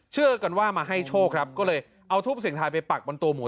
เชื่อกันว่ามาให้โชคครับก็เลยเอาทูปเสียงทายไปปักบนตัวหมู